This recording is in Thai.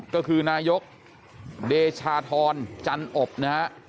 ก็คือนายกเดชาธรจันอบนะฮะ